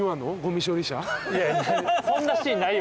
そんなシーンないよ